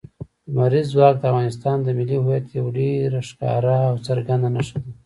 لمریز ځواک د افغانستان د ملي هویت یوه ډېره ښکاره او څرګنده نښه ده.